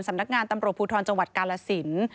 สำนักงานตำรวจภูทรจังหวัดกาลสิน